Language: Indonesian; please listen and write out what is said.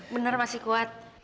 bener masih kuat